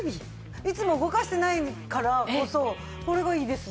いつも動かしてないからこそこれがいいですね。